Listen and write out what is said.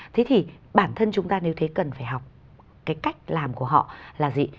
thế thì bản thân chúng ta nếu thế cần phải học cái cách làm của họ là gì